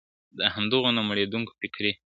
د همدغو نه مړېدونکو فکري